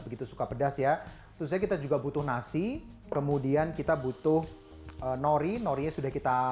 begitu suka pedas ya terusnya kita juga butuh nasi kemudian kita butuh nori norinya sudah kita